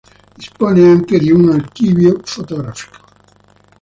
Dispone anche di un archivio fotografico.